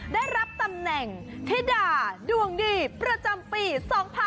ได้รับตำแหน่งธิดาดวงดีประจำปี๒๕๖๒